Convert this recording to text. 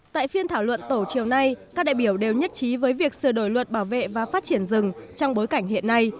tại phiên thảo luận tổ chiều nay các đại biểu đều nhất trí với việc sửa đổi luật bảo vệ và phát triển rừng trong bối cảnh hiện nay